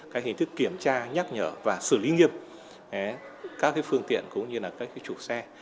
các hình thức kiểm tra nhắc nhở và xử lý nghiêm các phương tiện cũng như là các chủ xe